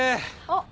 あっ。